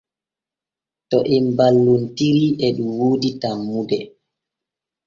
To em balloltiitri e ɗun woodi tanmude.